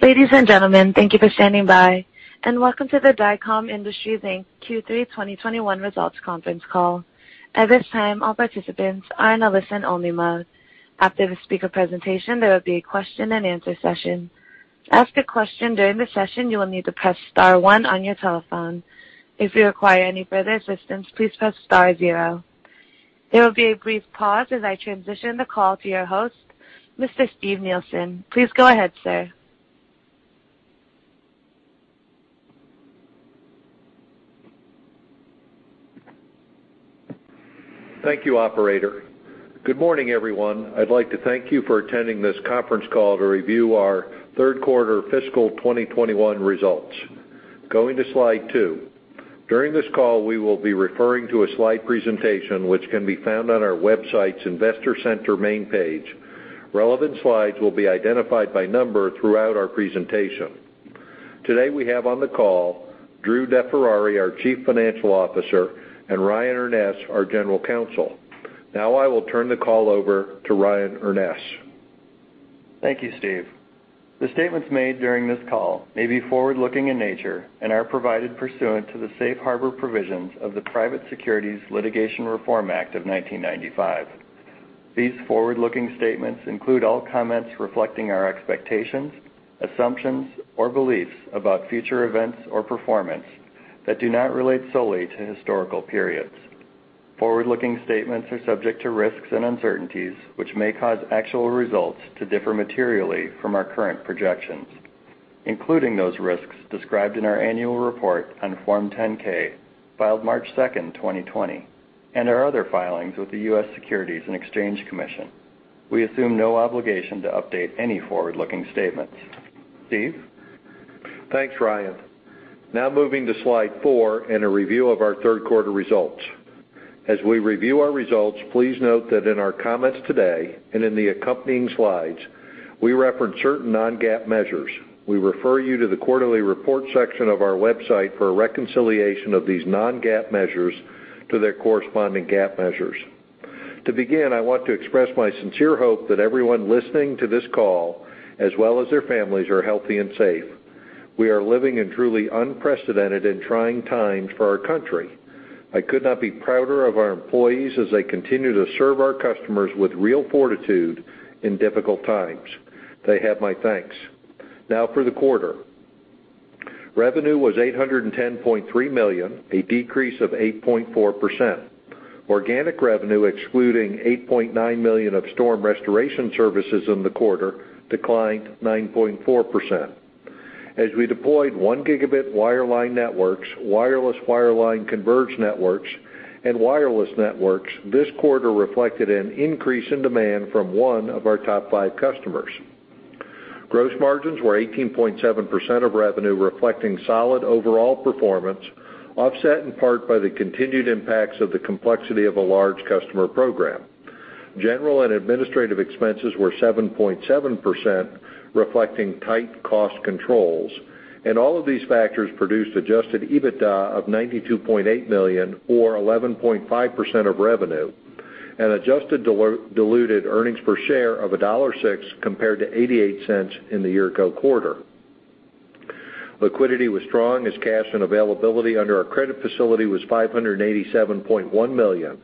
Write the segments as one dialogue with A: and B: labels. A: Ladies and gentlemen, thank you for standing by, and welcome to the Dycom Industries Inc. Q3 2021 Results Conference Call. At this time, all participants are in a listen-only mode. After the speaker presentation, there will be a question-and-answer session. To ask a question during the session, you will need to press star one on your telephone. If you require any further assistance, please press star zero. There will be a brief pause as I transition the call to your host, Mr. Steve Nielsen. Please go ahead, sir.
B: Thank you, operator. Good morning, everyone. I'd like to thank you for attending this conference call to review our third quarter fiscal 2021 results. Going to slide two. During this call, we will be referring to a slide presentation, which can be found on our website's investor center main page. Relevant slides will be identified by number throughout our presentation. Today, we have on the call Drew DeFerrari, our Chief Financial Officer, and Ryan Urness, our General Counsel. Now I will turn the call over to Ryan Urness.
C: Thank you, Steve. The statements made during this call may be forward-looking in nature and are provided pursuant to the safe harbor provisions of the Private Securities Litigation Reform Act of 1995. These forward-looking statements include all comments reflecting our expectations, assumptions, or beliefs about future events or performance that do not relate solely to historical periods. Forward-looking statements are subject to risks and uncertainties, which may cause actual results to differ materially from our current projections, including those risks described in our annual report on Form 10-K filed March 2nd, 2020, and our other filings with the U.S. Securities and Exchange Commission. We assume no obligation to update any forward-looking statements. Steve?
B: Thanks, Ryan. Now moving to slide four and a review of our third quarter results. As we review our results, please note that in our comments today and in the accompanying slides, we reference certain non-GAAP measures. We refer you to the quarterly report section of our website for a reconciliation of these non-GAAP measures to their corresponding GAAP measures. To begin, I want to express my sincere hope that everyone listening to this call, as well as their families, are healthy and safe. We are living in truly unprecedented and trying times for our country. I could not be prouder of our employees as they continue to serve our customers with real fortitude in difficult times. They have my thanks. Now for the quarter. Revenue was $810.3 million, a decrease of 8.4%. Organic revenue, excluding $8.9 million of storm restoration services in the quarter, declined 9.4%. As we deployed one gigabit wireline networks, wireless wireline converged networks, and wireless networks, this quarter reflected an increase in demand from one of our top five customers. Gross margins were 18.7% of revenue, reflecting solid overall performance, offset in part by the continued impacts of the complexity of a large customer program. General and administrative expenses were 7.7%, reflecting tight cost controls. All of these factors produced adjusted EBITDA of $92.8 million, or 11.5% of revenue, and adjusted diluted earnings per share of $1.06 compared to $0.88 in the year-ago quarter. Liquidity was strong as cash and availability under our credit facility was $587.1 million.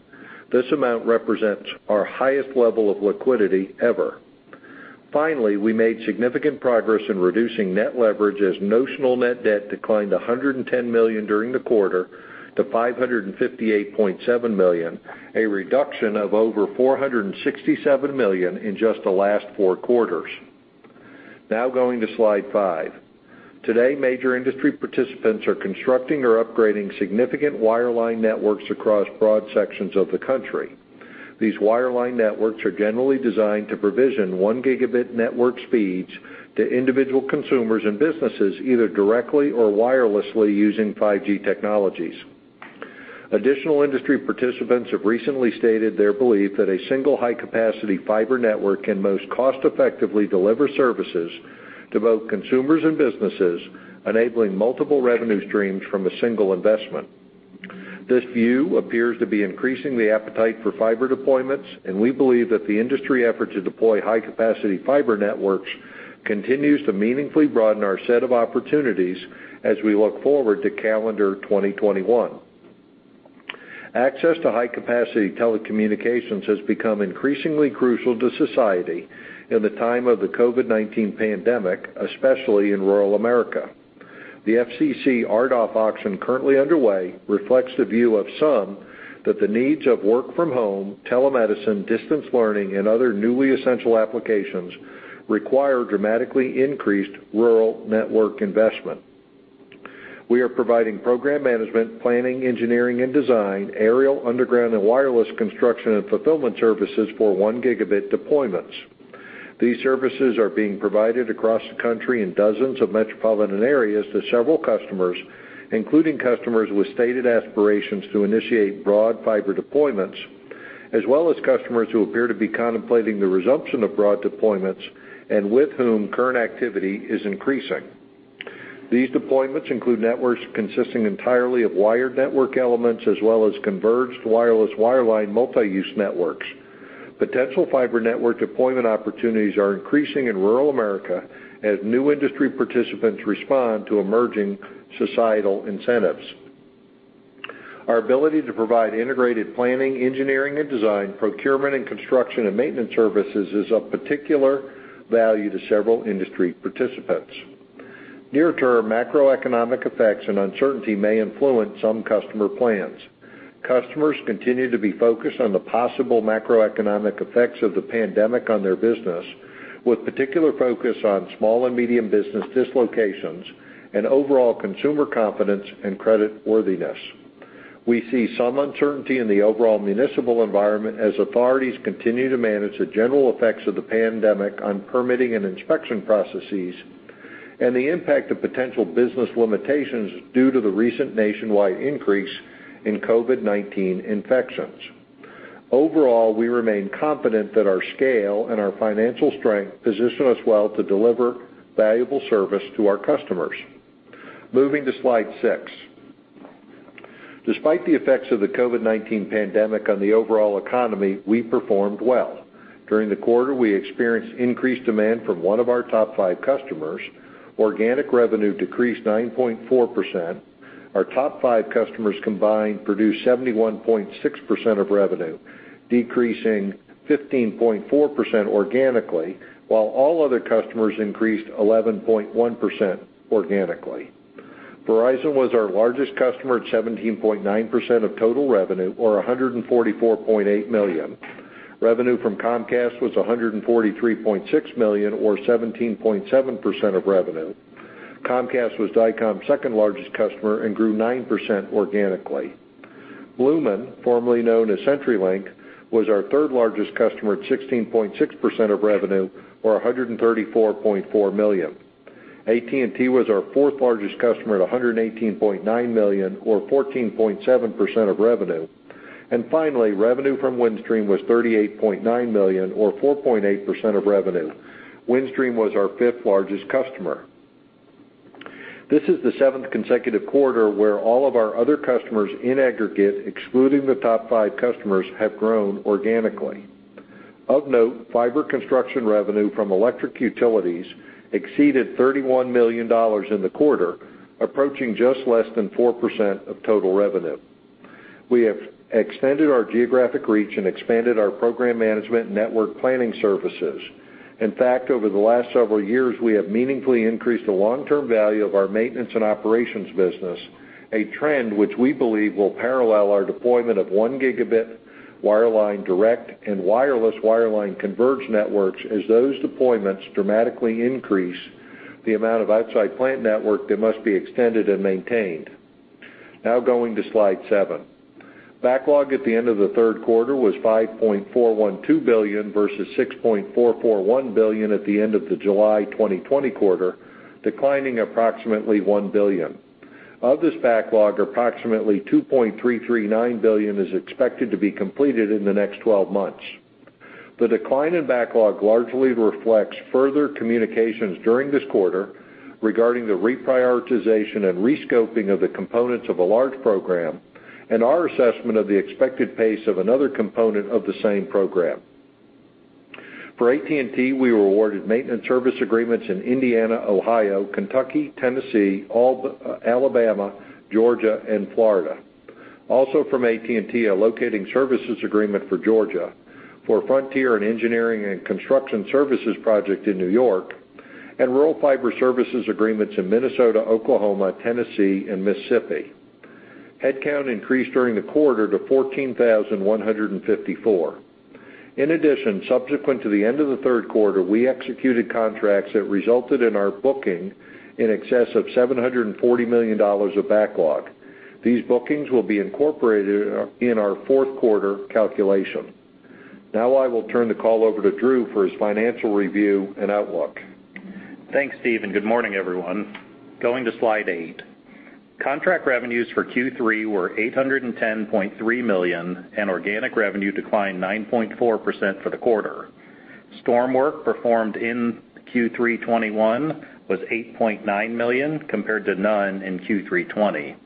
B: This amount represents our highest level of liquidity ever. Finally, we made significant progress in reducing net leverage as notional net debt declined $110 million during the quarter to $558.7 million, a reduction of over $467 million in just the last four quarters. Now going to slide five. Today, major industry participants are constructing or upgrading significant wireline networks across broad sections of the country. These wireline networks are generally designed to provision one gigabit network speeds to individual consumers and businesses, either directly or wirelessly using 5G technologies. Additional industry participants have recently stated their belief that a single high-capacity fiber network can most cost-effectively deliver services to both consumers and businesses, enabling multiple revenue streams from a single investment. This view appears to be increasing the appetite for fiber deployments, and we believe that the industry effort to deploy high-capacity fiber networks continues to meaningfully broaden our set of opportunities as we look forward to calendar 2021. Access to high-capacity telecommunications has become increasingly crucial to society in the time of the COVID-19 pandemic, especially in rural America. The FCC RDOF auction currently underway reflects the view of some that the needs of work-from-home, telemedicine, distance learning, and other newly essential applications require dramatically increased rural network investment. We are providing program management, planning, engineering, and design, aerial, underground, and wireless construction and fulfillment services for one gigabit deployments. These services are being provided across the country in dozens of metropolitan areas to several customers, including customers with stated aspirations to initiate broad fiber deployments, as well as customers who appear to be contemplating the resumption of broad deployments and with whom current activity is increasing. These deployments include networks consisting entirely of wired network elements as well as converged wireless wireline multi-use networks. Potential fiber network deployment opportunities are increasing in rural America as new industry participants respond to emerging societal incentives. Our ability to provide integrated planning, engineering, and design, procurement and construction and maintenance services is of particular value to several industry participants. Near-term macroeconomic effects and uncertainty may influence some customer plans. Customers continue to be focused on the possible macroeconomic effects of the pandemic on their business, with particular focus on small and medium business dislocations and overall consumer confidence and creditworthiness. We see some uncertainty in the overall municipal environment as authorities continue to manage the general effects of the pandemic on permitting and inspection processes and the impact of potential business limitations due to the recent nationwide increase in COVID-19 infections. Overall, we remain confident that our scale and our financial strength position us well to deliver valuable service to our customers. Moving to slide six. Despite the effects of the COVID-19 pandemic on the overall economy, we performed well. During the quarter, we experienced increased demand from one of our top five customers. Organic revenue decreased 9.4%. Our top five customers combined produced 71.6% of revenue, decreasing 15.4% organically, while all other customers increased 11.1% organically. Verizon was our largest customer at 17.9% of total revenue or $144.8 million. Revenue from Comcast was $143.6 million or 17.7% of revenue. Comcast was Dycom's second largest customer and grew 9% organically. Lumen, formerly known as CenturyLink, was our third largest customer at 16.6% of revenue or $134.4 million. AT&T was our fourth largest customer at $118.9 million or 14.7% of revenue. Finally, revenue from Windstream was $38.9 million or 4.8% of revenue. Windstream was our fifth largest customer. This is the seventh consecutive quarter where all of our other customers in aggregate, excluding the top five customers, have grown organically. Of note, fiber construction revenue from electric utilities exceeded $31 million in the quarter, approaching just less than 4% of total revenue. We have extended our geographic reach and expanded our program management network planning services. In fact, over the last several years, we have meaningfully increased the long-term value of our maintenance and operations business, a trend which we believe will parallel our deployment of one gigabit wireline direct and wireless wireline converged networks as those deployments dramatically increase the amount of outside plant network that must be extended and maintained. Going to slide seven. Backlog at the end of the third quarter was $5.412 billion versus $6.441 billion at the end of the July 2020 quarter, declining approximately $1 billion. Of this backlog, approximately $2.339 billion is expected to be completed in the next 12 months. The decline in backlog largely reflects further communications during this quarter regarding the reprioritization and rescoping of the components of a large program, and our assessment of the expected pace of another component of the same program. For AT&T, we were awarded maintenance service agreements in Indiana, Ohio, Kentucky, Tennessee, Alabama, Georgia, and Florida. Also from AT&T, a locating services agreement for Georgia. For Frontier, an engineering and construction services project in New York, and rural fiber services agreements in Minnesota, Oklahoma, Tennessee, and Mississippi. Headcount increased during the quarter to 14,154. In addition, subsequent to the end of the third quarter, we executed contracts that resulted in our booking in excess of $740 million of backlog. These bookings will be incorporated in our fourth quarter calculation. I will turn the call over to Drew for his financial review and outlook.
D: Thanks, Steve, and good morning, everyone. Going to slide eight. Contract revenues for Q3 were $810.3 million and organic revenue declined 9.4% for the quarter. Storm work performed in Q3 2021 was $8.9 million compared to none in Q3 2020.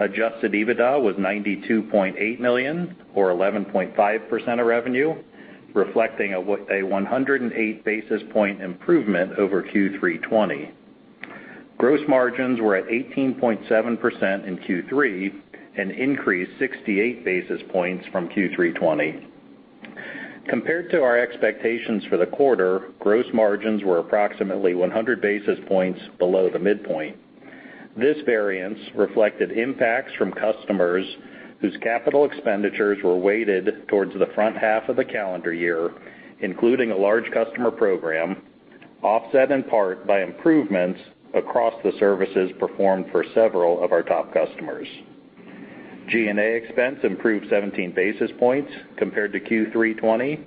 D: Adjusted EBITDA was $92.8 million or 11.5% of revenue, reflecting a 108 basis point improvement over Q3 2020. Gross margins were at 18.7% in Q3 and increased 68 basis points from Q3 2020. Compared to our expectations for the quarter, gross margins were approximately 100 basis points below the midpoint. This variance reflected impacts from customers whose capital expenditures were weighted towards the front half of the calendar year, including a large customer program, offset in part by improvements across the services performed for several of our top customers. G&A expense improved 17 basis points compared to Q3 2020.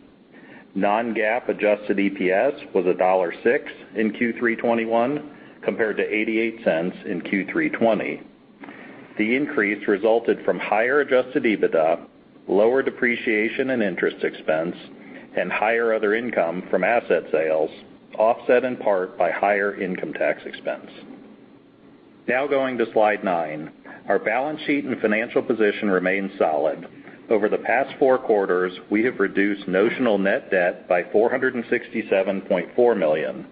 D: Non-GAAP adjusted EPS was $1.06 in Q3 2021, compared to $0.88 in Q3 2020. The increase resulted from higher adjusted EBITDA, lower depreciation and interest expense, and higher other income from asset sales, offset in part by higher income tax expense. Going to slide nine. Our balance sheet and financial position remain solid. Over the past four quarters, we have reduced notional net debt by $467.4 million.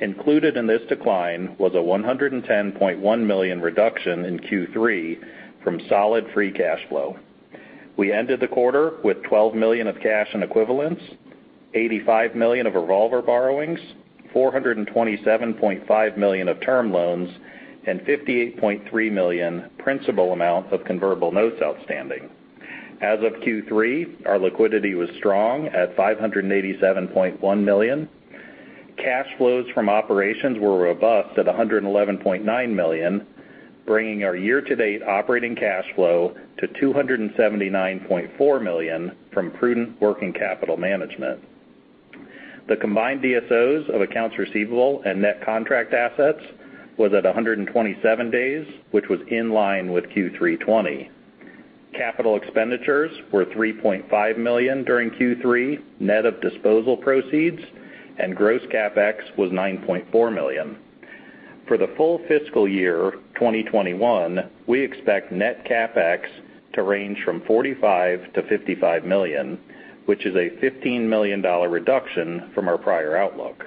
D: Included in this decline was a $110.1 million reduction in Q3 from solid free cash flow. We ended the quarter with $12 million of cash and equivalents, $85 million of revolver borrowings, $427.5 million of term loans, and $58.3 million principal amount of convertible notes outstanding. As of Q3, our liquidity was strong at $587.1 million. Cash flows from operations were robust at $111.9 million, bringing our year-to-date operating cash flow to $279.4 million from prudent working capital management. The combined DSOs of accounts receivable and net contract assets was at 127 days, which was in line with Q3 2020. Capital expenditures were $3.5 million during Q3, net of disposal proceeds, and gross CapEx was $9.4 million. For the full fiscal year 2021, we expect net CapEx to range from $45 million to $55 million, which is a $15 million reduction from our prior outlook.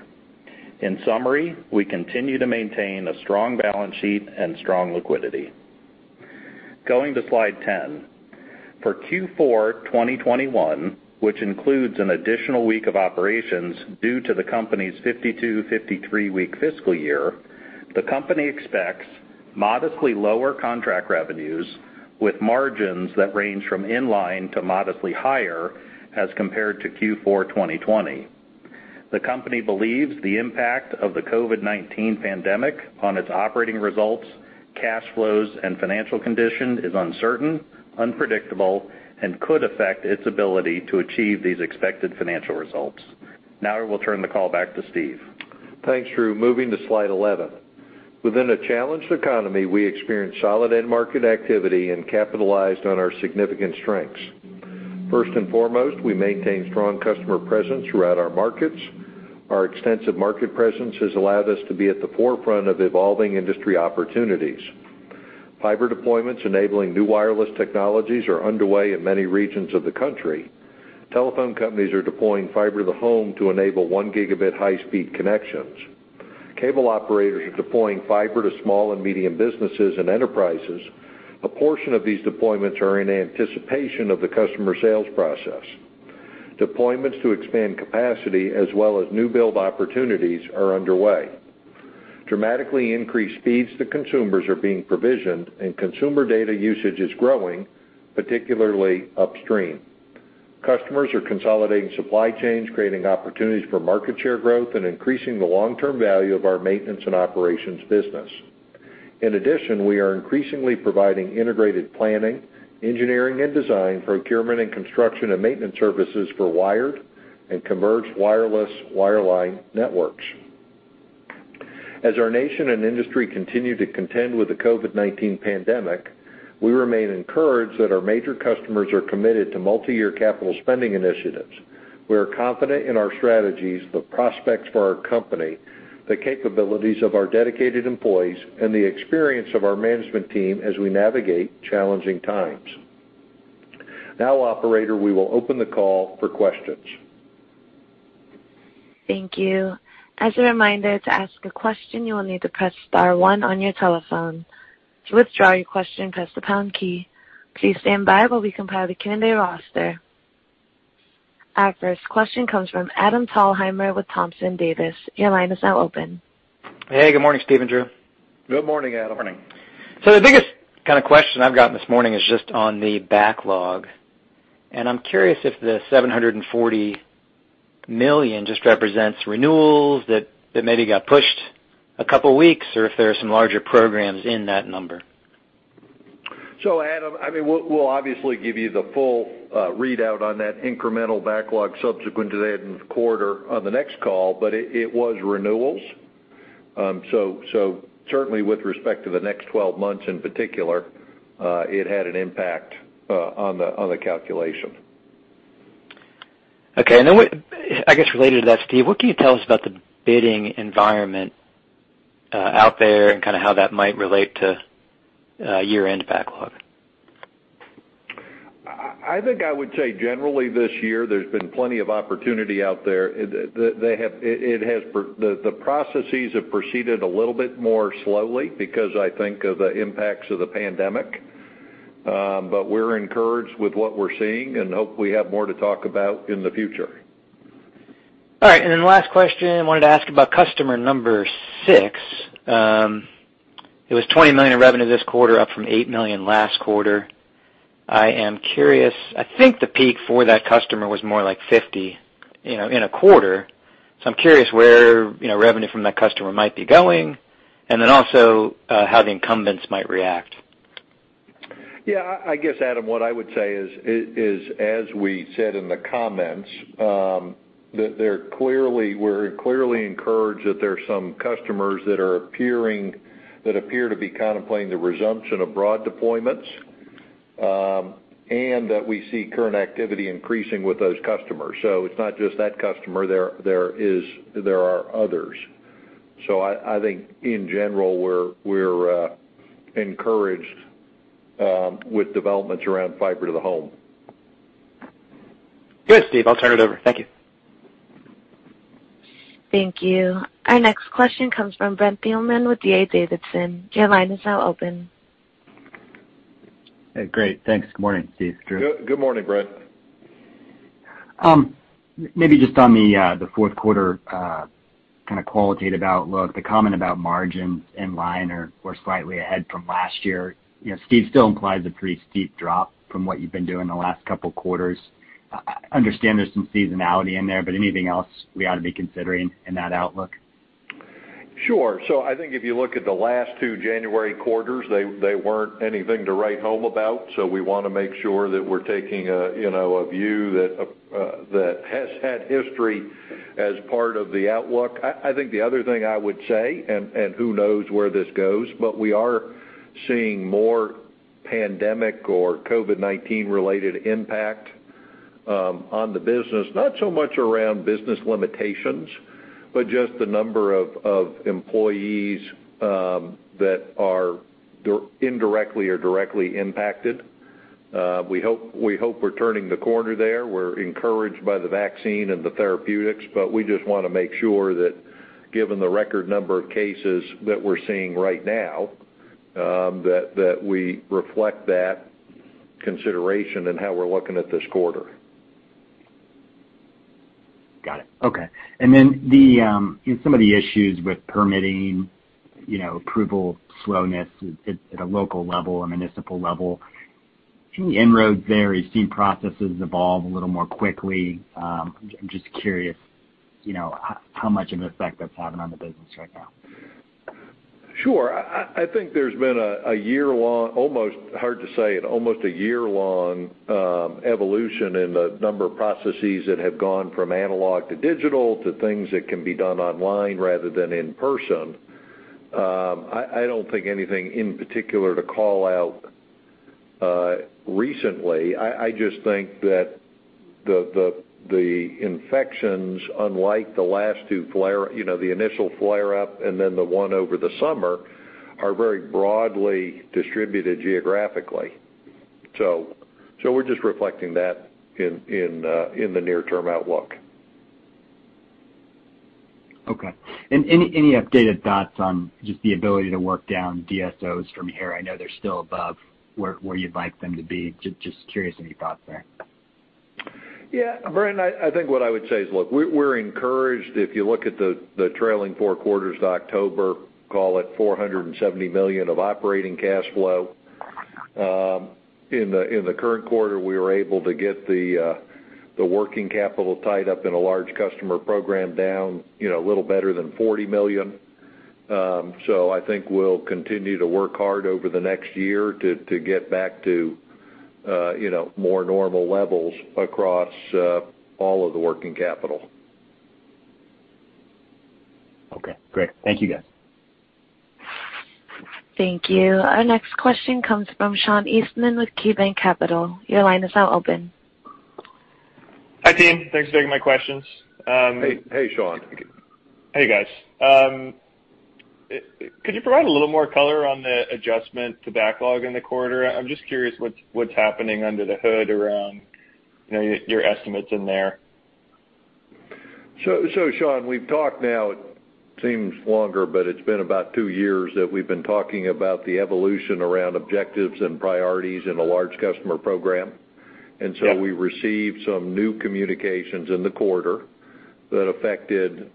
D: In summary, we continue to maintain a strong balance sheet and strong liquidity. Going to slide 10. For Q4 2021, which includes an additional week of operations due to the company's 52, 53-week fiscal year, the company expects modestly lower contract revenues, with margins that range from in line to modestly higher as compared to Q4 2020. The company believes the impact of the COVID-19 pandemic on its operating results, cash flows, and financial condition is uncertain, unpredictable, and could affect its ability to achieve these expected financial results. Now I will turn the call back to Steve.
B: Thanks, Drew. Moving to slide 11. Within a challenged economy, we experienced solid end market activity and capitalized on our significant strengths. First and foremost, we maintain strong customer presence throughout our markets. Our extensive market presence has allowed us to be at the forefront of evolving industry opportunities. Fiber deployments enabling new wireless technologies are underway in many regions of the country. Telephone companies are deploying fiber to the home to enable one gigabit high-speed connections. Cable operators are deploying fiber to small and medium businesses and enterprises. A portion of these deployments are in anticipation of the customer sales process. Deployments to expand capacity as well as new build opportunities are underway. Dramatically increased speeds to consumers are being provisioned and consumer data usage is growing, particularly upstream. Customers are consolidating supply chains, creating opportunities for market share growth, and increasing the long-term value of our maintenance and operations business. In addition, we are increasingly providing integrated planning, engineering and design, procurement and construction, and maintenance services for wired and converged wireless wireline networks. As our nation and industry continue to contend with the COVID-19 pandemic, we remain encouraged that our major customers are committed to multi-year capital spending initiatives. We are confident in our strategies, the prospects for our company, the capabilities of our dedicated employees, and the experience of our management team as we navigate challenging times. Now, operator, we will open the call for questions.
A: Thank you. As a reminder to ask a question, you'll need to press star one on your telephone, to withdraw your question press the pound key. Please standby while we compile the standby roster. Our first question comes from Adam Thalhimer with Thompson Davis. Your line is now open.
E: Hey, good morning, Steve and Drew.
B: Good morning, Adam.
D: Morning.
E: The biggest kind of question I've gotten this morning is just on the backlog, and I'm curious if the $740 million just represents renewals that maybe got pushed a couple of weeks, or if there are some larger programs in that number.
B: Adam, we'll obviously give you the full readout on that incremental backlog subsequent to that quarter on the next call, but it was renewals. Certainly with respect to the next 12 months in particular, it had an impact on the calculation.
E: Okay. I guess related to that, Steve, what can you tell us about the bidding environment out there and how that might relate to year-end backlog?
B: I think I would say generally this year, there's been plenty of opportunity out there. The processes have proceeded a little bit more slowly because I think of the impacts of the pandemic. We're encouraged with what we're seeing and hope we have more to talk about in the future.
E: All right. Last question, wanted to ask about customer number six. It was $20 million in revenue this quarter, up from $8 million last quarter. I am curious, I think the peak for that customer was more like $50 in a quarter. I'm curious where revenue from that customer might be going, and then also how the incumbents might react.
B: Yeah, I guess, Adam, what I would say is, as we said in the comments, that we're clearly encouraged that there are some customers that appear to be contemplating the resumption of broad deployments, and that we see current activity increasing with those customers. It's not just that customer. There are others. I think in general, we're encouraged with developments around fiber to the home.
E: Good, Steve, I'll turn it over. Thank you.
A: Thank you. Our next question comes from Brent Thielman with D.A. Davidson. Your line is now open.
F: Hey, great. Thanks. Good morning, Steve, Drew.
B: Good morning, Brent.
F: Maybe just on the fourth quarter kind of qualitative outlook, the comment about margins in line or slightly ahead from last year, Steve, still implies a pretty steep drop from what you've been doing the last couple of quarters. I understand there's some seasonality in there. Anything else we ought to be considering in that outlook?
B: Sure. I think if you look at the last two January quarters, they weren't anything to write home about. We want to make sure that we're taking a view that has had history as part of the outlook. I think the other thing I would say, and who knows where this goes, but we are seeing more pandemic or COVID-19-related impact on the business. Not so much around business limitations, but just the number of employees that are indirectly or directly impacted. We hope we're turning the corner there. We're encouraged by the vaccine and the therapeutics, but we just want to make sure that given the record number of cases that we're seeing right now, that we reflect that consideration in how we're looking at this quarter.
F: Got it. Okay. Some of the issues with permitting, approval slowness at a local level, a municipal level, any inroads there? You've seen processes evolve a little more quickly. I'm just curious how much of an effect that's having on the business right now.
B: Sure. I think there's been, hard to say it, almost a year-long evolution in the number of processes that have gone from analog to digital, to things that can be done online rather than in person. I don't think anything in particular to call out recently. I just think that the infections, unlike the initial flare-up and then the one over the summer, are very broadly distributed geographically. We're just reflecting that in the near-term outlook.
F: Okay. Any updated thoughts on just the ability to work down DSOs from here? I know they're still above where you'd like them to be. Just curious of your thoughts there.
B: Yeah, Brent, I think what I would say is, look, we're encouraged if you look at the trailing 4 quarters to October, call it $470 million of operating cash flow. In the current quarter, we were able to get the working capital tied up in a large customer program down a little better than $40 million. I think we'll continue to work hard over the next year to get back to more normal levels across all of the working capital.
F: Okay, great. Thank you, guys.
A: Thank you. Our next question comes from Sean Eastman with KeyBanc Capital. Your line is now open.
G: Hi, team. Thanks for taking my questions.
B: Hey, Sean.
G: Hey, guys. Could you provide a little more color on the adjustment to backlog in the quarter? I'm just curious what's happening under the hood around your estimates in there.
B: Sean, we've talked now, it seems longer, but it's been about two years that we've been talking about the evolution around objectives and priorities in the large customer program.
G: Yeah.
B: We received some new communications in the quarter that affected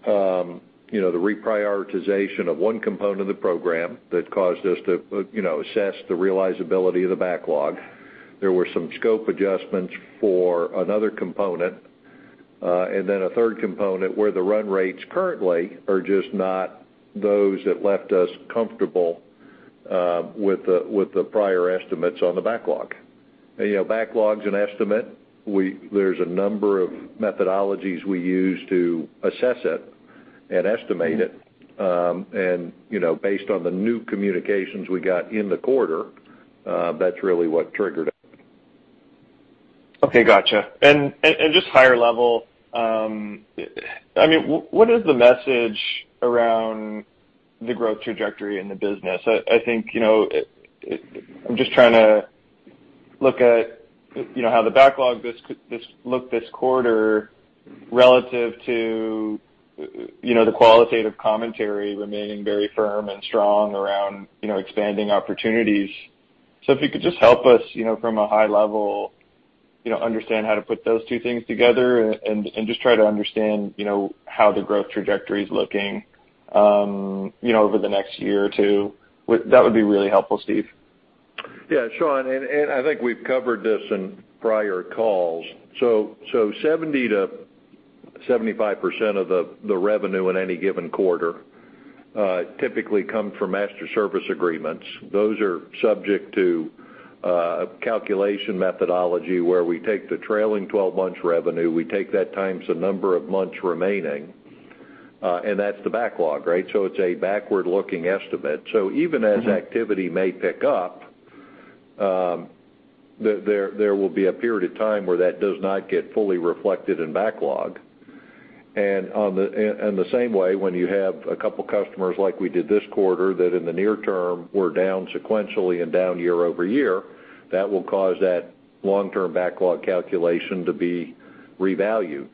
B: the reprioritization of one component of the program that caused us to assess the realizability of the backlog. There were some scope adjustments for another component. A third component where the run rates currently are just not those that left us comfortable with the prior estimates on the backlog. Backlog is an estimate. There's a number of methodologies we use to assess it and estimate it. Based on the new communications we got in the quarter, that's really what triggered it.
G: Okay, got you. Just higher level, what is the message around the growth trajectory in the business? I'm just trying to look at how the backlog looked this quarter relative to the qualitative commentary remaining very firm and strong around expanding opportunities. If you could just help us from a high level, understand how to put those two things together and just try to understand how the growth trajectory is looking over the next year or two. That would be really helpful, Steve.
B: Yeah, Sean, I think we've covered this in prior calls. 70%-75% of the revenue in any given quarter typically come from master service agreements. Those are subject to a calculation methodology where we take the trailing 12 months revenue, we take that times the number of months remaining, and that's the backlog, right? It's a backward-looking estimate. Even as activity may pick up, there will be a period of time where that does not get fully reflected in backlog. The same way, when you have a couple customers like we did this quarter, that in the near term were down sequentially and down year-over-year, that will cause that long-term backlog calculation to be revalued.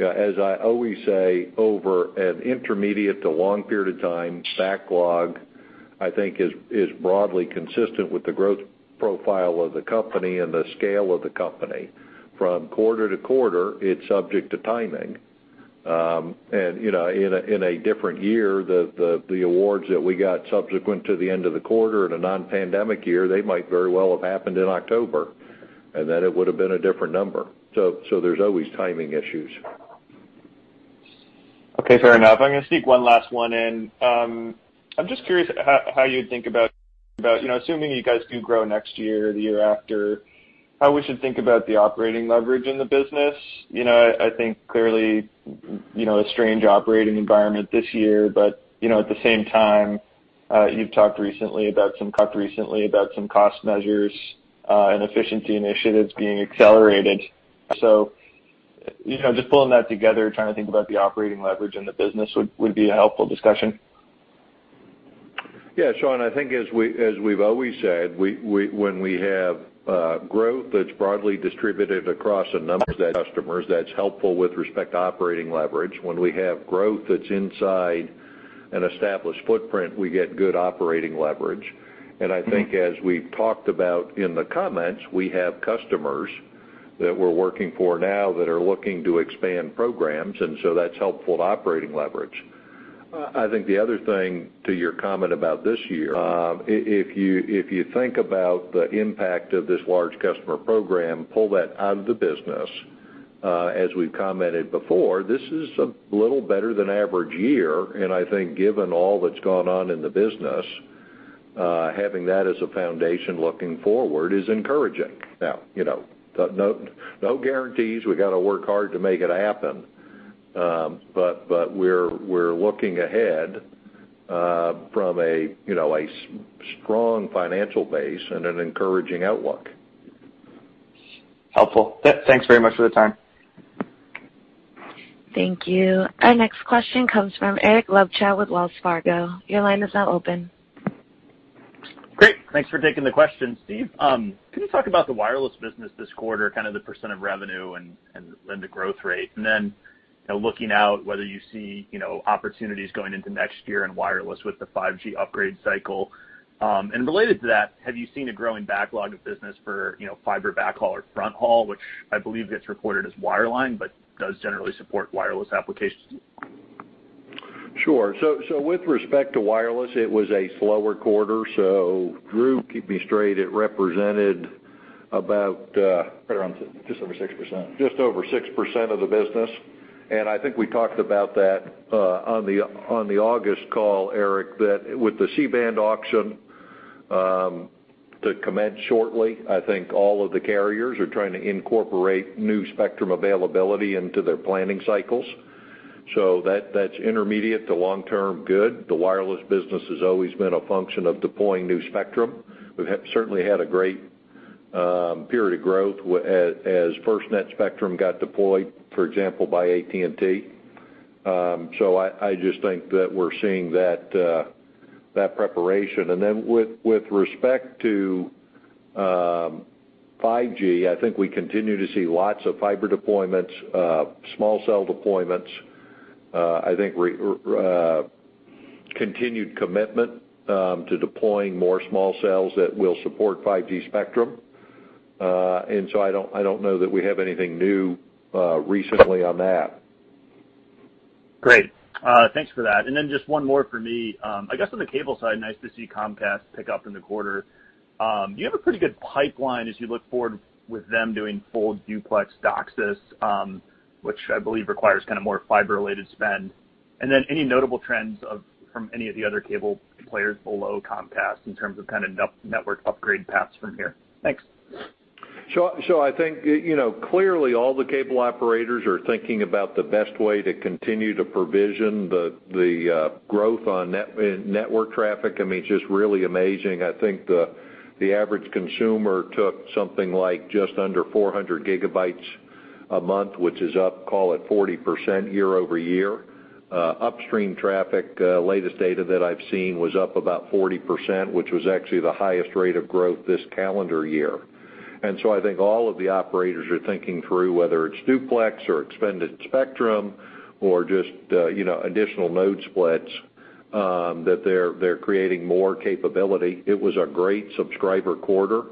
B: As I always say, over an intermediate to long period of time, backlog, I think is broadly consistent with the growth profile of the company and the scale of the company. From quarter-to-quarter, it's subject to timing. In a different year, the awards that we got subsequent to the end of the quarter in a non-pandemic year, they might very well have happened in October, and then it would've been a different number. There's always timing issues.
G: Okay, fair enough. I'm going to sneak one last one in. I'm just curious how you think about assuming you guys do grow next year, the year after, how we should think about the operating leverage in the business. Clearly, a strange operating environment this year, at the same time, you've talked recently about some cost measures, and efficiency initiatives being accelerated. Just pulling that together, trying to think about the operating leverage in the business would be a helpful discussion.
B: Yeah, Sean, I think as we've always said, when we have growth that's broadly distributed across a number of customers, that's helpful with respect to operating leverage. When we have growth that's inside an established footprint, we get good operating leverage. I think as we've talked about in the comments, we have customers that we're working for now that are looking to expand programs, and so that's helpful to operating leverage. I think the other thing to your comment about this year, if you think about the impact of this large customer program, pull that out of the business. As we've commented before, this is a little better than average year, I think given all that's gone on in the business, having that as a foundation looking forward is encouraging. Now, no guarantees, we got to work hard to make it happen. We're looking ahead from a strong financial base and an encouraging outlook.
G: Helpful. Thanks very much for the time.
A: Thank you. Our next question comes from Eric Luebchow with Wells Fargo. Your line is now open.
H: Great. Thanks for taking the question, Steve. Can you talk about the wireless business this quarter, the % of revenue and the growth rate? Looking out, whether you see opportunities going into next year in wireless with the 5G upgrade cycle. Related to that, have you seen a growing backlog of business for fiber backhaul or fronthaul, which I believe gets reported as wireline, but does generally support wireless applications?
B: Sure. With respect to wireless, it was a slower quarter. Drew, keep me straight, it represented about.
D: Right around just over 6%.
B: Just over 6% of the business. I think we talked about that on the August call, Eric, that with the C-band auction to commence shortly, I think all of the carriers are trying to incorporate new spectrum availability into their planning cycles. That's intermediate to long-term good. The wireless business has always been a function of deploying new spectrum. We've certainly had a great period of growth as FirstNet spectrum got deployed, for example, by AT&T. I just think that we're seeing that preparation. With respect to 5G, I think we continue to see lots of fiber deployments, small cell deployments. I think continued commitment to deploying more small cells that will support 5G spectrum. I don't know that we have anything new recently on that.
H: Great. Thanks for that. Just one more for me. I guess on the cable side, nice to see Comcast pick up in the quarter. Do you have a pretty good pipeline as you look forward with them doing full duplex DOCSIS, which I believe requires more fiber-related spend? Any notable trends from any of the other cable players below Comcast in terms of network upgrade paths from here? Thanks.
B: Sean, I think, clearly all the cable operators are thinking about the best way to continue to provision the growth on network traffic. It's just really amazing. I think the average consumer took something like just under 400 gigabytes a month, which is up, call it 40% year-over-year. Upstream traffic, latest data that I've seen was up about 40%, which was actually the highest rate of growth this calendar year. I think all of the operators are thinking through, whether it's duplex or expanded spectrum or just additional node splits, that they're creating more capability. It was a great subscriber quarter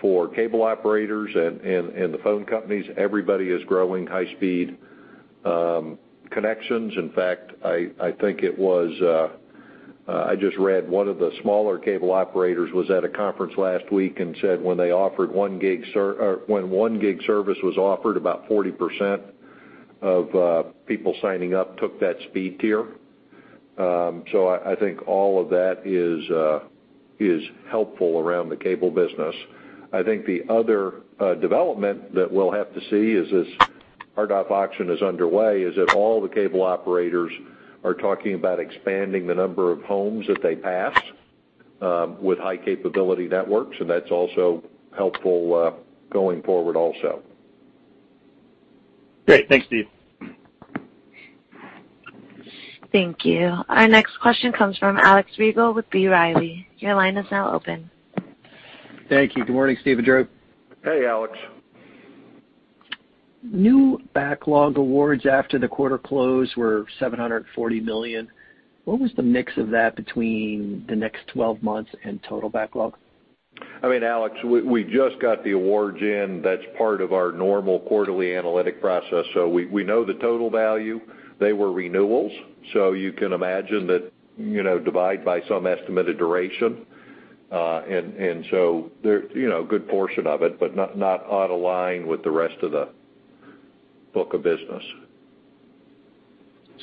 B: for cable operators and the phone companies. Everybody is growing high-speed connections. In fact, I just read one of the smaller cable operators was at a conference last week and said when 1 gig service was offered, about 40% of people signing up took that speed tier. I think all of that is helpful around the cable business. I think the other development that we'll have to see as this RDOF auction is underway, is if all the cable operators are talking about expanding the number of homes that they pass with high-capability networks, and that's also helpful going forward also.
H: Great. Thanks, Steve.
A: Thank you. Our next question comes from Alex Rygiel with B. Riley. Your line is now open.
I: Thank you. Good morning, Steve and Drew.
B: Hey, Alex.
I: New backlog awards after the quarter close were $740 million. What was the mix of that between the next 12 months and total backlog?
B: Alex, we just got the awards in. That's part of our normal quarterly analytic process. We know the total value. They were renewals, so you can imagine that, divide by some estimated duration. A good portion of it, but not out of line with the rest of the book of business.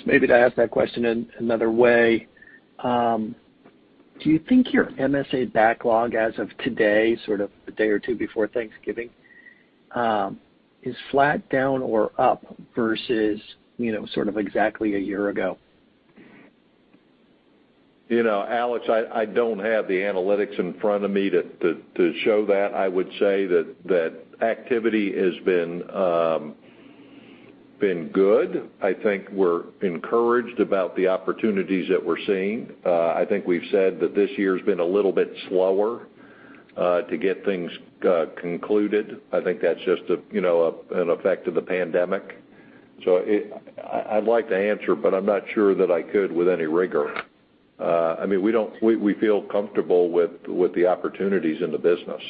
I: Maybe to ask that question in another way, do you think your MSA backlog as of today, sort of a day or two before Thanksgiving, is flat, down, or up versus exactly a year ago?
B: Alex, I don't have the analytics in front of me to show that. I would say that activity has been good. I think we're encouraged about the opportunities that we're seeing. I think we've said that this year's been a little bit slower to get things concluded. I think that's just an effect of the pandemic. I'd like to answer, but I'm not sure that I could with any rigor. We feel comfortable with the opportunities in the business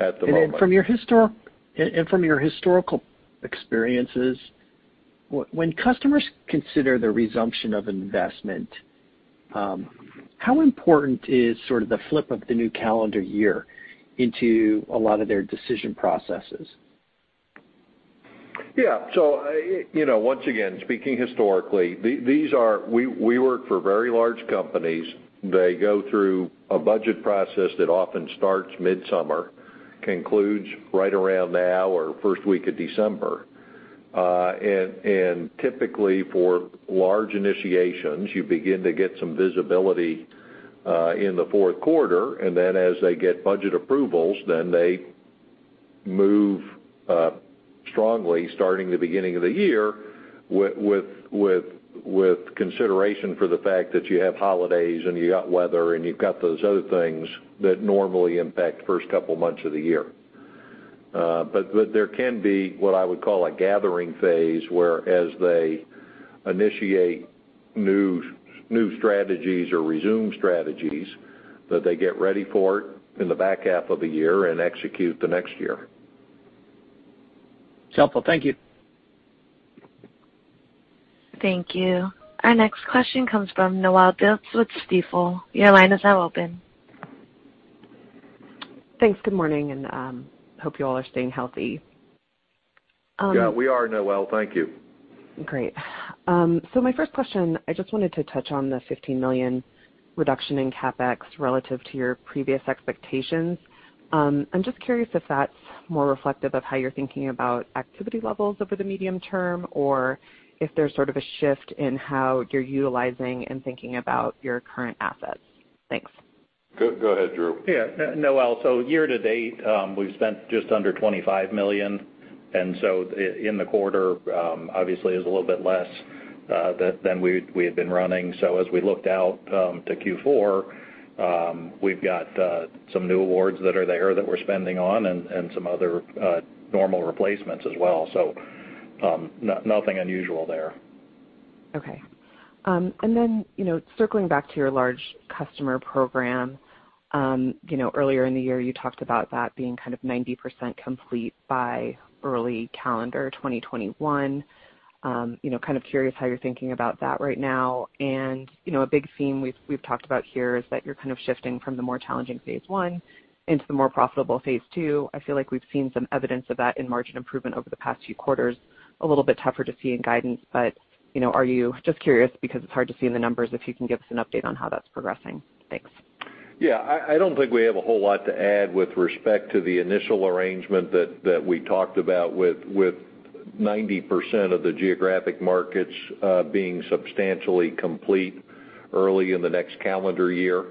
B: at the moment.
I: From your historical experiences, when customers consider the resumption of investment, how important is sort of the flip of the new calendar year into a lot of their decision processes?
B: Yeah. Once again, speaking historically, we work for very large companies. They go through a budget process that often starts midsummer, concludes right around now or first week of December. Typically for large initiations, you begin to get some visibility in the fourth quarter, and then as they get budget approvals, then they move strongly starting the beginning of the year with consideration for the fact that you have holidays, and you got weather, and you've got those other things that normally impact the first couple months of the year. There can be what I would call a gathering phase, where as they initiate new strategies or resume strategies, that they get ready for it in the back half of the year and execute the next year.
I: It's helpful. Thank you.
A: Thank you. Our next question comes from Noelle Dilts with Stifel. Your line is now open.
J: Thanks. Good morning, and hope you all are staying healthy.
B: Yeah, we are, Noelle. Thank you.
J: Great. My first question, I just wanted to touch on the $15 million reduction in CapEx relative to your previous expectations. I'm just curious if that's more reflective of how you're thinking about activity levels over the medium term, or if there's sort of a shift in how you're utilizing and thinking about your current assets. Thanks.
B: Go ahead, Drew.
D: Yeah. Noelle, year to date, we've spent just under $25 million, and so in the quarter, obviously, is a little bit less than we had been running. As we looked out to Q4, we've got some new awards that are there that we're spending on and some other normal replacements as well. Nothing unusual there.
J: Okay. Circling back to your large customer program. Earlier in the year, you talked about that being kind of 90% complete by early calendar 2021. Curious how you're thinking about that right now. A big theme we've talked about here is that you're kind of shifting from the more challenging phase 1 into the more profitable phase 2. I feel like we've seen some evidence of that in margin improvement over the past few quarters. A little bit tougher to see in guidance, just curious because it's hard to see in the numbers, if you can give us an update on how that's progressing. Thanks.
B: Yeah. I don't think we have a whole lot to add with respect to the initial arrangement that we talked about with 90% of the geographic markets being substantially complete early in the next calendar year.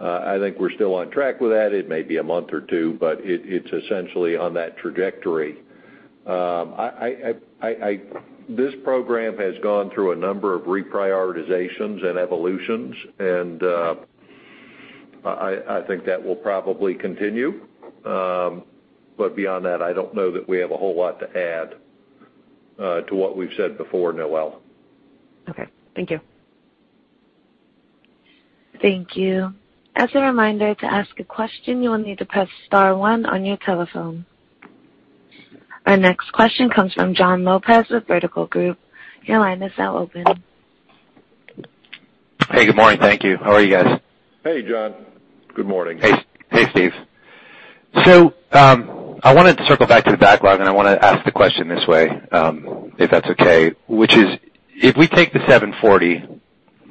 B: I think we're still on track with that. It may be a month or two, but it's essentially on that trajectory. This program has gone through a number of reprioritizations and evolutions. I think that will probably continue. Beyond that, I don't know that we have a whole lot to add to what we've said before, Noelle.
J: Okay. Thank you.
A: Thank you. As a reminder to ask a question you'll need to press star one on your telephone. Our next question comes from John Lopez with Vertical Group. Your line is now open.
K: Hey, good morning. Thank you. How are you guys?
B: Hey, John. Good morning.
K: Hey, Steve. I wanted to circle back to the backlog, and I want to ask the question this way, if that's okay. If we take the 740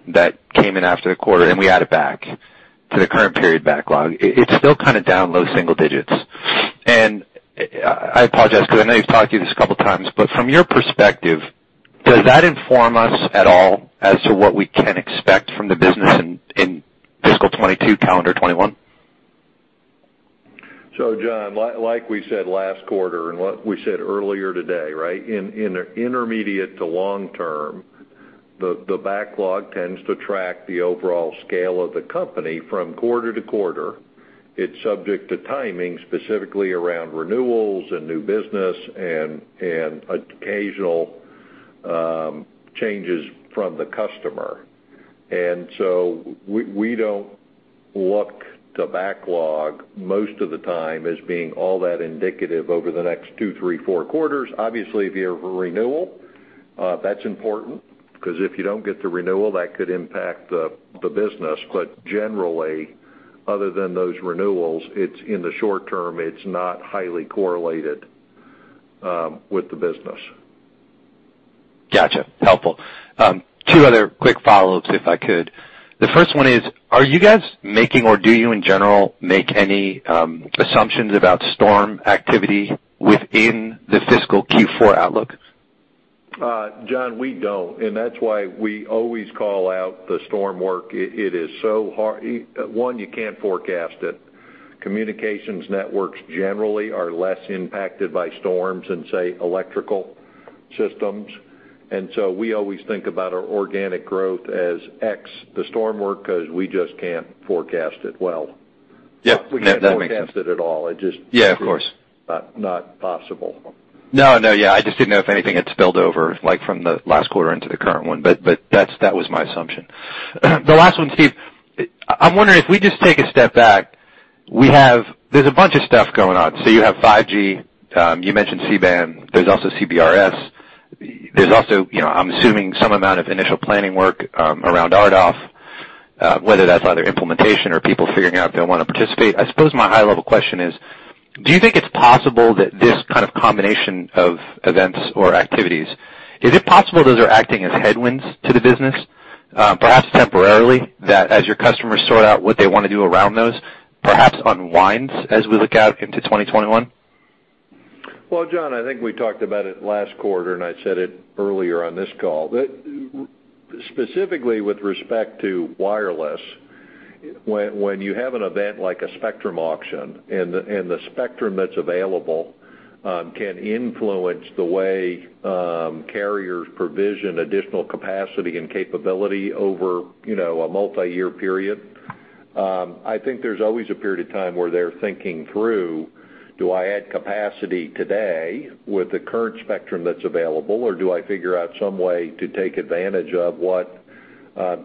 K: that came in after the quarter and we add it back to the current period backlog, it's still kind of down low single digits. I apologize because I know you've talked through this a couple of times, from your perspective, does that inform us at all as to what we can expect from the business in fiscal 2022, calendar 2021?
B: John, like we said last quarter and what we said earlier today, right? In the intermediate to long term, the backlog tends to track the overall scale of the company from quarter to quarter. It's subject to timing, specifically around renewals and new business and occasional changes from the customer. We don't look to backlog most of the time as being all that indicative over the next two, three, four quarters. Obviously, if you have a renewal, that's important, because if you don't get the renewal, that could impact the business. Generally, other than those renewals, in the short term, it's not highly correlated with the business.
K: Got you. Helpful. Two other quick follow-ups, if I could. The first one is, are you guys making or do you in general make any assumptions about storm activity within the fiscal Q4 outlook?
B: John, we don't, and that's why we always call out the storm work. One, you can't forecast it. Communications networks generally are less impacted by storms than, say, electrical systems. We always think about our organic growth as X, the storm work, because we just can't forecast it well.
K: Yeah. That makes sense.
B: We can't forecast it at all.
K: Yeah, of course.
B: not possible.
K: No. I just didn't know if anything had spilled over, like from the last quarter into the current one, but that was my assumption. The last one, Steve, I'm wondering if we just take a step back. There's a bunch of stuff going on. You have 5G, you mentioned C-band, there's also CBRS. There's also, I'm assuming, some amount of initial planning work around RDOF, whether that's either implementation or people figuring out if they want to participate. I suppose my high-level question is, do you think it's possible that this kind of combination of events or activities, is it possible those are acting as headwinds to the business? Perhaps temporarily, that as your customers sort out what they want to do around those, perhaps unwinds as we look out into 2021?
B: Well, John, I think we talked about it last quarter, and I said it earlier on this call. Specifically with respect to wireless, when you have an event like a spectrum auction and the spectrum that's available can influence the way carriers provision additional capacity and capability over a multi-year period, I think there's always a period of time where they're thinking through, "Do I add capacity today with the current spectrum that's available, or do I figure out some way to take advantage of what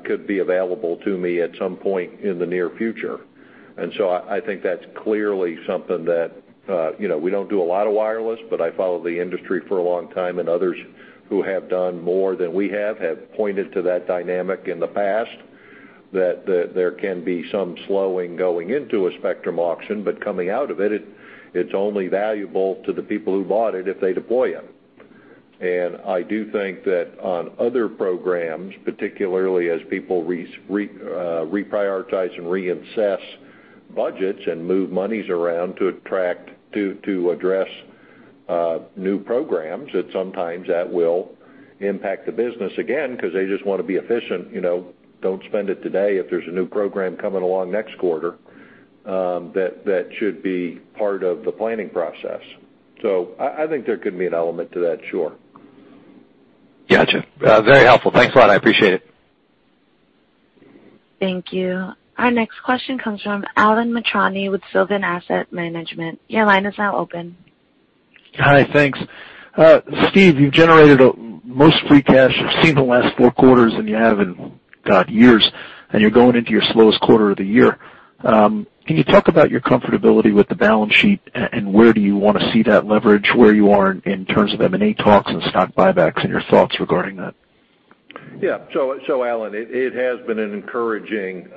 B: could be available to me at some point in the near future?" I think that's clearly something that, we don't do a lot of wireless, but I followed the industry for a long time, and others who have done more than we have pointed to that dynamic in the past, that there can be some slowing going into a spectrum auction, but coming out of it's only valuable to the people who bought it if they deploy it. I do think that on other programs, particularly as people reprioritize and reassess budgets and move monies around to address new programs, that sometimes that will impact the business again, because they just want to be efficient. Don't spend it today if there's a new program coming along next quarter. That should be part of the planning process. I think there could be an element to that, sure.
K: Got you. Very helpful. Thanks a lot. I appreciate it.
A: Thank you. Our next question comes from Alan Mitrani with Sylvan Asset Management. Your line is now open.
L: Hi, thanks. Steve, you've generated most free cash we've seen in the last four quarters than you have in years, and you're going into your slowest quarter of the year. Can you talk about your comfortability with the balance sheet, and where do you want to see that leverage? Where you are in terms of M&A talks and stock buybacks, and your thoughts regarding that?
B: Yeah. Alan, it has been an encouraging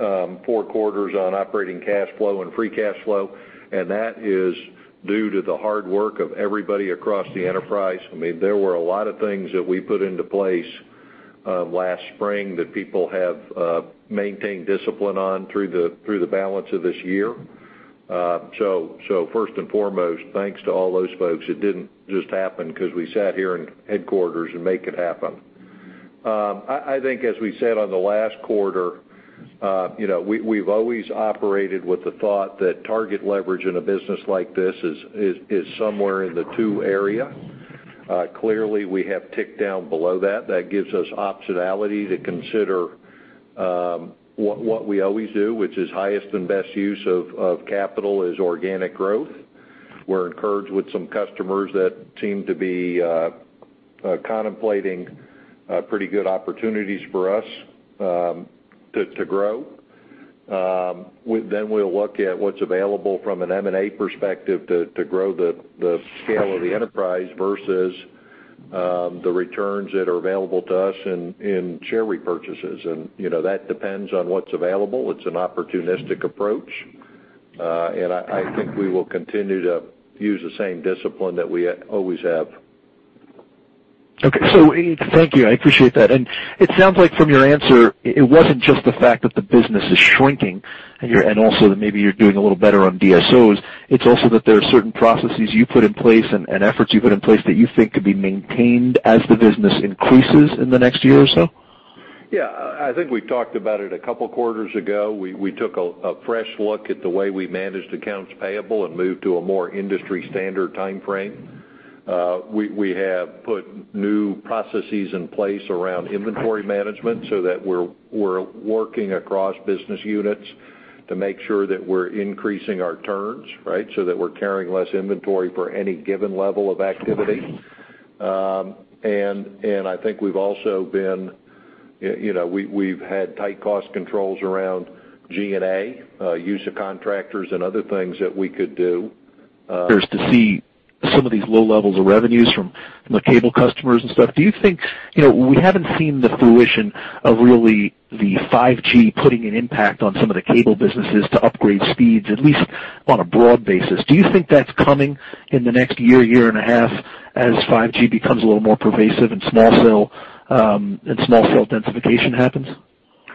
B: four quarters on operating cash flow and free cash flow, and that is due to the hard work of everybody across the enterprise. There were a lot of things that we put into place last spring that people have maintained discipline on through the balance of this year. First and foremost, thanks to all those folks. It didn't just happen because we sat here in headquarters and make it happen. I think as we said on the last quarter, we've always operated with the thought that target leverage in a business like this is somewhere in the two area. Clearly, we have ticked down below that. That gives us optionality to consider what we always do, which is highest and best use of capital is organic growth. We're encouraged with some customers that seem to be contemplating pretty good opportunities for us to grow. We'll look at what's available from an M&A perspective to grow the scale of the enterprise versus the returns that are available to us in share repurchases. That depends on what's available. It's an opportunistic approach. I think we will continue to use the same discipline that we always have.
L: Okay. Thank you. I appreciate that. It sounds like from your answer, it wasn't just the fact that the business is shrinking and also that maybe you're doing a little better on DSOs. It's also that there are certain processes you put in place and efforts you put in place that you think could be maintained as the business increases in the next year or so?
B: Yeah. I think we talked about it a couple of quarters ago. We took a fresh look at the way we managed accounts payable and moved to a more industry-standard timeframe. We have put new processes in place around inventory management so that we're working across business units to make sure that we're increasing our turns, right? That we're carrying less inventory for any given level of activity. I think we've also had tight cost controls around G&A, use of contractors, and other things that we could do.
L: Just to see some of these low levels of revenues from the cable customers and stuff. Do you think, we haven't seen the fruition of really the 5G putting an impact on some of the cable businesses to upgrade speeds, at least on a broad basis. Do you think that's coming in the next year and a half, as 5G becomes a little more pervasive and small cell densification happens?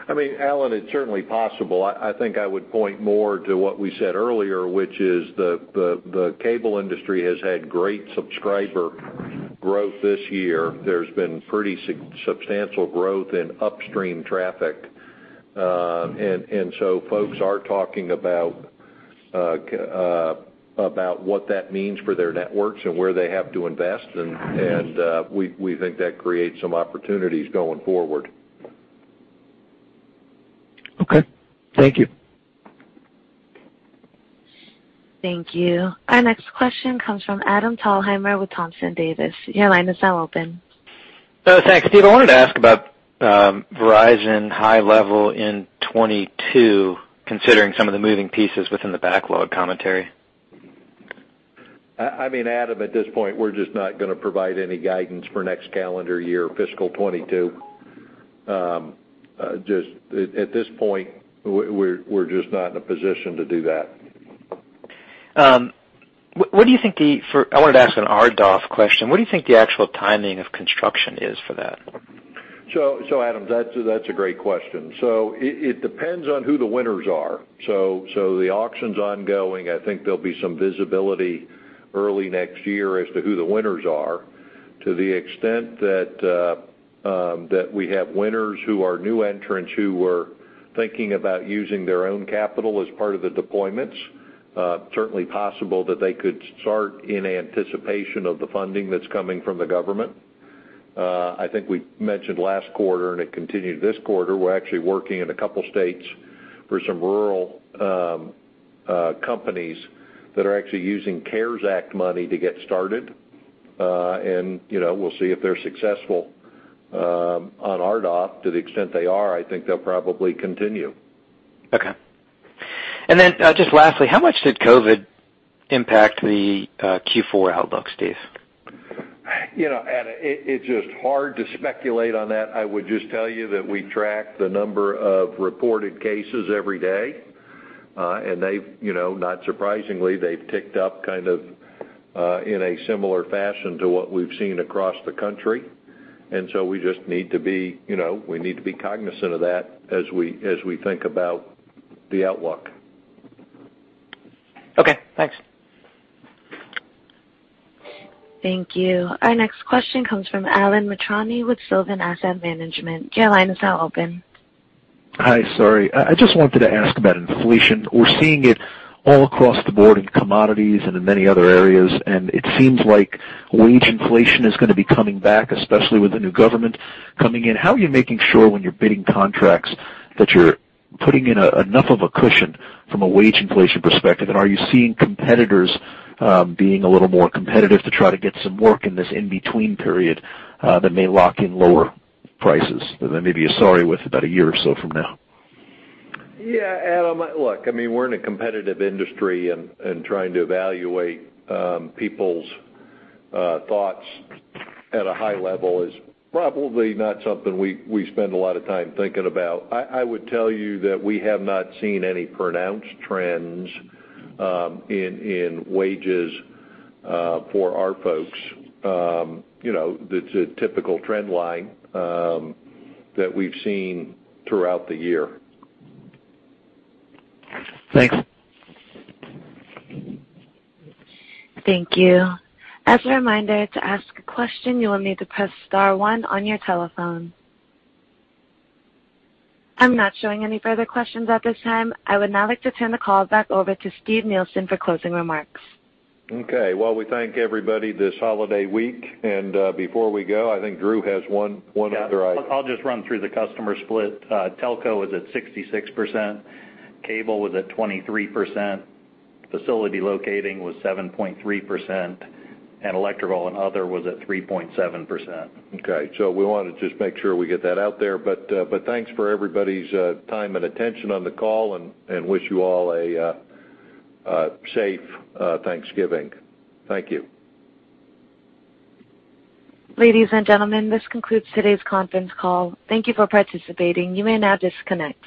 B: I mean, Alan, it's certainly possible. I think I would point more to what we said earlier, which is the cable industry has had great subscriber growth this year. There's been pretty substantial growth in upstream traffic. Folks are talking about what that means for their networks and where they have to invest, and we think that creates some opportunities going forward.
L: Okay. Thank you.
A: Thank you. Our next question comes from Adam Thalhimer with Thompson Davis. Your line is now open.
E: Thanks. Steve, I wanted to ask about Verizon high level in 2022, considering some of the moving pieces within the backlog commentary.
B: I mean, Adam, at this point, we're just not going to provide any guidance for next calendar year, fiscal 2022. Just at this point, we're just not in a position to do that.
E: I wanted to ask an RDOF question. What do you think the actual timing of construction is for that?
B: Adam, that's a great question. It depends on who the winners are. I think there'll be some visibility early next year as to who the winners are. To the extent that we have winners who are new entrants who are thinking about using their own capital as part of the deployments, certainly possible that they could start in anticipation of the funding that's coming from the government. I think we mentioned last quarter, and it continued this quarter, we're actually working in a couple of states for some rural companies that are actually using CARES Act money to get started. We'll see if they're successful on RDOF. To the extent they are, I think they'll probably continue.
E: Okay. Just lastly, how much did COVID impact the Q4 outlook, Steve?
B: Adam, it's just hard to speculate on that. I would just tell you that we track the number of reported cases every day. Not surprisingly, they've ticked up kind of in a similar fashion to what we've seen across the country. So we just need to be cognizant of that as we think about the outlook.
E: Okay, thanks.
A: Thank you. Our next question comes from Alan Mitrani with Sylvan Asset Management. Your line is now open.
L: Hi, sorry. I just wanted to ask about inflation. We're seeing it all across the board in commodities and in many other areas, and it seems like wage inflation is going to be coming back, especially with the new government coming in. How are you making sure when you're bidding contracts that you're putting in enough of a cushion from a wage inflation perspective? Are you seeing competitors being a little more competitive to try to get some work in this in-between period that may lock in lower prices than maybe you're sorry with about a year or so from now?
B: Alan, look, we're in a competitive industry, and trying to evaluate people's thoughts at a high level is probably not something we spend a lot of time thinking about. I would tell you that we have not seen any pronounced trends in wages for our folks. That's a typical trend line that we've seen throughout the year.
L: Thanks.
A: Thank you. As a reminder, to ask a question, you will need to press star one on your telephone. I'm not showing any further questions at this time. I would now like to turn the call back over to Steve Nielsen for closing remarks.
B: Okay. Well, we thank everybody this holiday week. Before we go, I think Drew has one other item.
D: Yeah. I'll just run through the customer split. Telco was at 66%, cable was at 23%, facility locating was 7.3%, and electrical and other was at 3.7%.
B: We want to just make sure we get that out there. Thanks for everybody's time and attention on the call, and wish you all a safe Thanksgiving. Thank you.
A: Ladies and gentlemen, this concludes today's conference call. Thank you for participating. You may now disconnect.